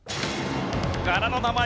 柄の名前